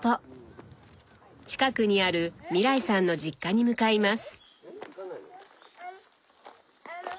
近くにある未來さんの実家に向かいます。